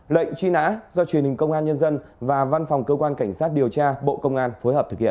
lệnh truy nã do truyền hình công an nhân dân và văn phòng cơ quan cảnh sát điều tra bộ công an phối hợp thực hiện